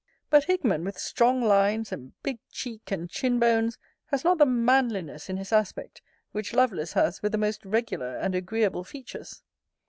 But Hickman, with strong lines, and big cheek and chin bones, has not the manliness in his aspect, which Lovelace has with the most regular and agreeable features.